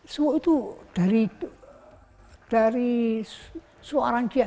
suwuk itu dari suarangkia